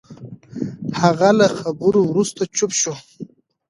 هغه له خبرو وروسته چوپ شو.